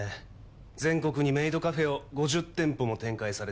全国にメイドカフェを５０店舗も展開されてるんですから。